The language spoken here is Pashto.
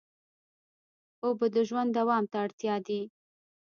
اوبه د ژوند دوام ته اړتیا دي.